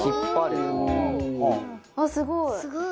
あっすごい！